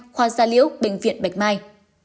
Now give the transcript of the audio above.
khoa gia liễu bệnh viện bạch mai